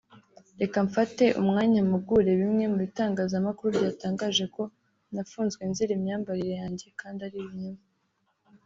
“reka mfate umwanya mpugure bimwe mu bitangazamakuru byatangaje ko nafunzwe nzira imyambabarire yanjye kandi ari ibinyoma”